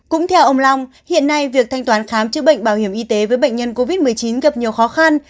cũng theo ông long hiện nay việc thanh toán khám chữa bệnh bảo hiểm y tế với bệnh nhân covid một mươi chín gặp nhiều khó khăn